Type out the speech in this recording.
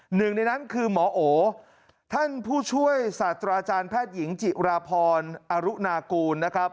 หนึ่งในนั้นคือหมอโอท่านผู้ช่วยศาสตราจารย์แพทย์หญิงจิราพรอรุณากูลนะครับ